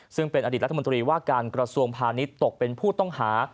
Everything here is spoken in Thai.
ซึ่งเป็นอดีตรัฐมนตรีว่าการกระทรวงพาณิชย์ตกเป็นผู้ต้องหา